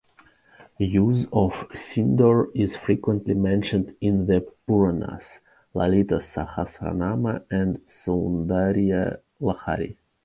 Use of sindoor is frequently mentioned in the puranas "Lalitha Sahasranama" and "Soundarya Lahari".